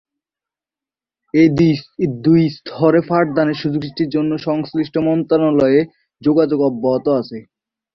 এই দুই স্তরে পাঠদানের সুযোগ সৃষ্টির জন্য সংশ্লিষ্ট মন্ত্রণালয়ে যোগাযোগ অব্যাহত আছে।